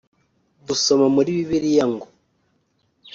Dusoma muri Bibiliya ngo